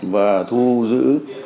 và thu giữ